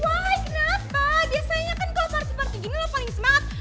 wah kenapa biasanya kan kalau party party gini lo paling semangat